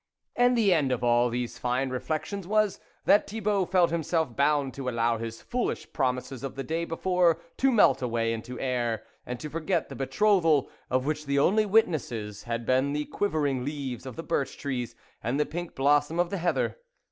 And the end of all these fine reflections was, that Thibault felt himself bound to allow his foolish promises of the day before to melt away into air, and to forget the betrothal, of which the only witnesses had been the quivering leaves of the birch trees, and the pink blossom of the heather.